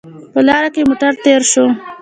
په لاره کې موټر تېر شو